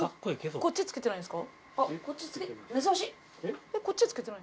こっち着けてないんですか？